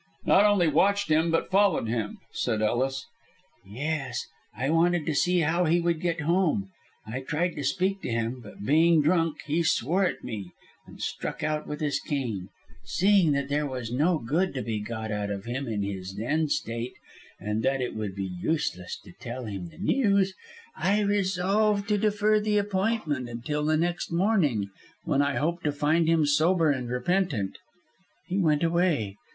"Not only watched him, but followed him," said Ellis. "Yes, I wanted to see how he would get home. I tried to speak to him, but being drunk he swore at me, and struck out with his cane. Seeing that there was no good to be got out of him in his then state, and that it would be useless to tell him the news, I resolved to defer the appointment until the morning, when I hoped to find him sober and repentant. He went away.